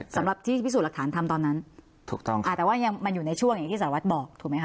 สำหรับที่พิสูจน์หลักฐานทำตอนนั้นถูกต้องอ่าแต่ว่ายังมันอยู่ในช่วงอย่างที่สารวัตรบอกถูกไหมค